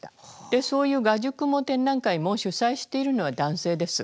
でそういう画塾も展覧会も主催しているのは男性です。